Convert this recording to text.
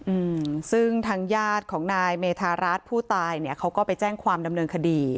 อืมซึ่งทางญาติของนายเมธารัฐผู้ตายเนี้ยเขาก็ไปแจ้งความดำเนินคดี